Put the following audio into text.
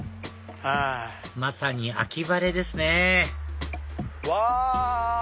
まさに秋晴れですねうわ！